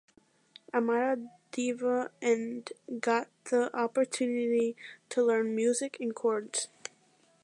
Amaradeva and got the opportunity to learn music and chords.